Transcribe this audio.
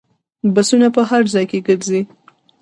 بسونه په هر ځای کې ګرځي.